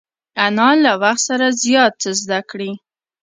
انا له وخت سره زیات څه زده کړي